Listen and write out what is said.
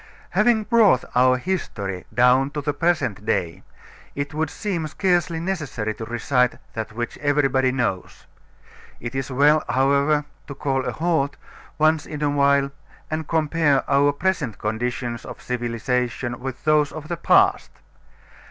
Having brought our history down to the present day, it would seem scarcely necessary to recite that which everybody knows. It is well, however, to call a halt once in a while and compare our present conditions of civilization with those of the past.